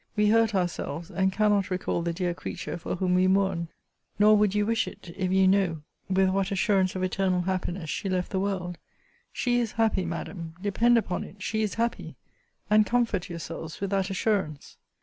We hurt ourselves, and cannot recall the dear creature for whom we mourn. Nor would you wish it, if you know with what assurance of eternal happiness she left the world She is happy, Madam! depend upon it, she is happy! And comfort yourselves with that assurance!